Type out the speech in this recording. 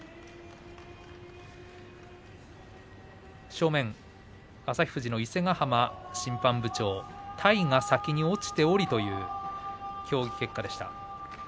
正面、旭富士の伊勢ヶ濱審判部長体が先に落ちておりという協議結果でした。